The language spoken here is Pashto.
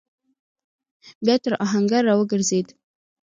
بيا تر آهنګر راوګرځېد.